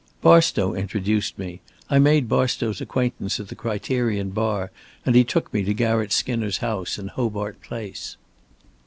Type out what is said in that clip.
"Barstow introduced me. I made Barstow's acquaintance at the Criterion Bar, and he took me to Garratt Skinner's house in Hobart Place."